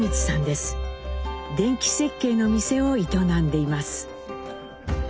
電気設計の店を営んでいます。